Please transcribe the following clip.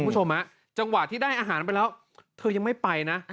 จังหวะที่ได้อาหารไปแล้วเธอยังไม่ไปนะ